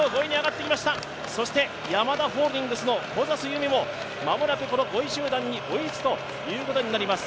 そしてヤマダホールディングスの小指有未も間もなく５位集団に追いつくということになります。